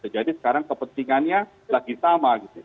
jadi sekarang kepentingannya lagi sama